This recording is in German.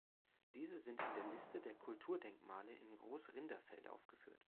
Diese sind in der Liste der Kulturdenkmale in Großrinderfeld aufgeführt.